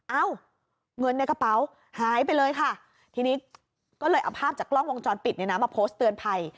เอ้าเงินในกระเป๋าหายไปเลยค่ะทีนี้ก็เลยเอาภาพจากกล้องวงจรปิดเนี่ยนะมาโพสต์เตือนภัย